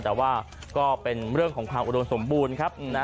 แต่ว่าก็เป็นเรื่องของความอุดมสมบูรณ์ครับ